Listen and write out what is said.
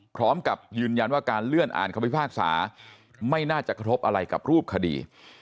พร้อมกับยืนยันว่าการเลื่อนอ่านคำพิพากษาไม่น่าจะกระทบอะไรกับรูปคดี